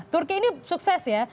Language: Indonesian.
turki ini sukses ya